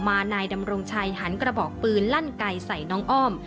ที่รู้จักวันนายดำรงชัยหันกระบอกปืนรั่นไกลใส่น้องอ้อม